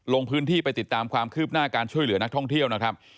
ลงพื้นที่ไปติดตามความคืบหน้าการช่วยเหลือนักท่องเที่ยวนะครับ